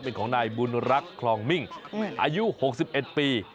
เป็นของนายบุญรักษ์คลองมิ่งอายุ๖๑ปี